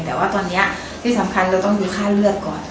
แต่ว่าตอนนี้ที่สำคัญเราต้องดูค่าเลือดก่อน